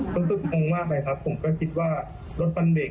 รู้สึกงงมากเลยครับผมก็คิดว่ารถมันเบรก